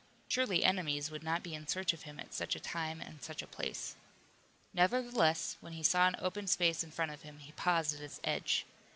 Surely enemies would not be in search of him at such a time and such a place. Nevertheless when he saw an open space in front of him he paused at its edge.